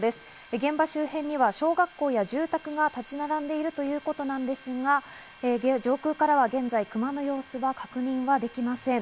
現場周辺には小学校や住宅が建ち並んでいるということなんですが、上空からは現在、クマの様子が確認はできません。